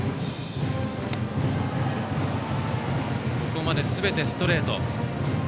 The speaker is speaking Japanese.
ここまですべてストレート。